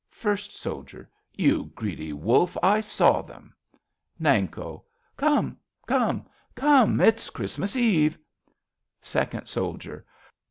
First Soldier. You greedy wolf, I saw them. Nanko. Come ! Come ! Come ! It's Christmas Eve! Second Soldier.